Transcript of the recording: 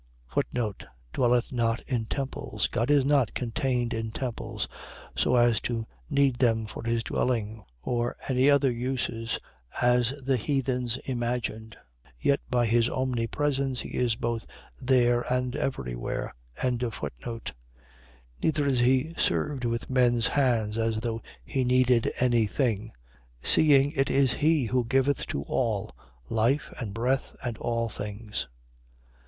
Dwelleth not in temples. . .God is not contained in temples; so as to need them for his dwelling, or any other uses, as the heathens imagined. Yet by his omnipresence, he is both there and everywhere. 17:25. Neither is he served with men's hands, as though he needed any thing: seeing it is he who giveth to all life and breath and all things: 17:26.